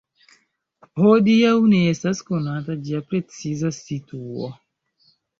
Hodiaŭ ne estas konata ĝia preciza situo.